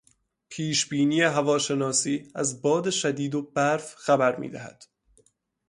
پیشبینی هواشناسی از باد شدید و برف خبر میدهد.